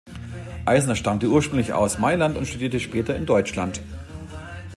Eisner stammte ursprünglich aus Mailand und studierte später in Deutschland.